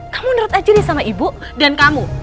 kamu nerut aja deh sama ibu dan kamu